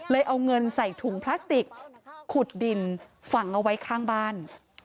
เอาเงินใส่ถุงพลาสติกขุดดินฝังเอาไว้ข้างบ้าน